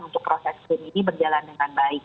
untuk proses krim ini berjalan dengan baik